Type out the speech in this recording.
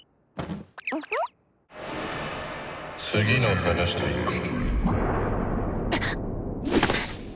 「次の話といこう」。